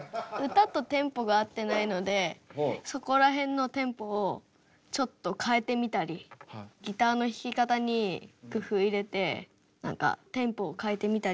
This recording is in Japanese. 歌とテンポがあってないのでそこら辺のテンポをちょっと変えてみたりギターの弾き方に工夫入れて何かテンポを変えてみたり。